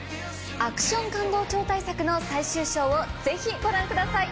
アクション感動超大作の最終章をぜひご覧ください。